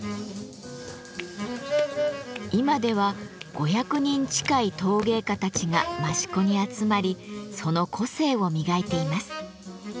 今では５００人近い陶芸家たちが益子に集まりその個性を磨いています。